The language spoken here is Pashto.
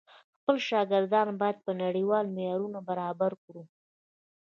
خپل شاګردان بايد په نړيوالو معيارونو برابر کړو.